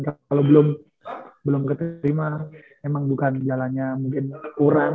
kalo belum belum keterima emang bukan jalannya mungkin kurang